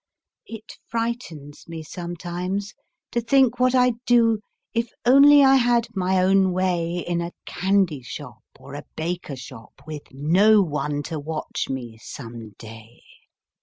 It frightens me sometimes, to think what I'd do, If only I had my own way In a candy shop or a baker shop, Witn no one to watch me, some day.